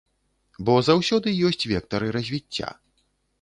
Бо заўсёды ёсць вектары развіцця.